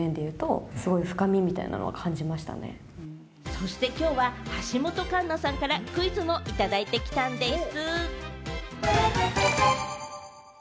そしてきょうは橋本環奈さんからクイズもいただいてきたんでぃす。